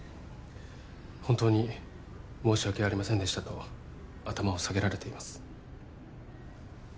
本当に申し訳ありませんでしたと頭を下げられています